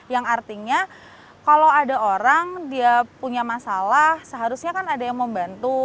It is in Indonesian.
yang artinya kalau ada orang dia punya masalah seharusnya kan ada yang membantu